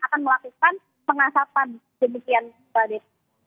akan melakukan pengasapan demikian radit